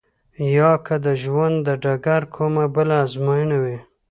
يا که د ژوند د ډګر کومه بله ازموينه وي.